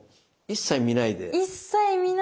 一切見ないで。